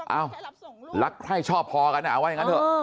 เอ้ารักใครชอบพอกันเอาไว้อย่างนั้นเถอะ